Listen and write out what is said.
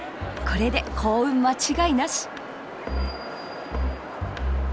これで幸運間違いなし。